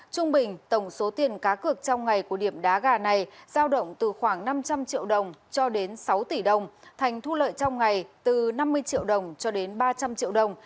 trung bình tổng số tiền cá cược trong ngày của điểm đá gà này giao động từ khoảng năm trăm linh triệu đồng cho đến sáu tỷ đồng thành thu lợi trong ngày từ năm mươi triệu đồng cho đến ba trăm linh triệu đồng